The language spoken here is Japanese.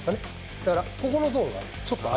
だからここのゾーンがちょっと空